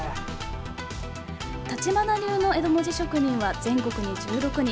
橘流の江戸文字職人は全国に１６人。